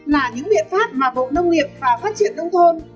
là những biện pháp mà bộ nông nghiệp và phát triển đông thôn